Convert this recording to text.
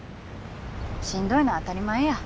しんどいのは当たり前や。